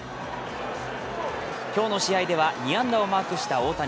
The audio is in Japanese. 今日の試合では２安打をマークした大谷。